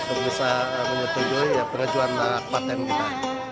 untuk bisa mengetujui perajuannya patent kita